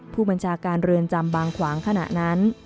ผู้บัญชาการเรือนจำบางขวางขณะนั้น